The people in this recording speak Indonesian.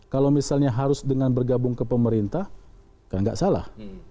kalau misalnya harus dengan bergabung ke pemerintah kan nggak salah